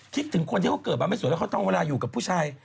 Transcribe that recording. ถึงคนที่เขาเกิดมาไม่สวยแล้วเขาต้องเวลาอยู่กับผู้ชาย